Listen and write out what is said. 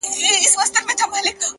صادق زړه دروند بار نه وړي.!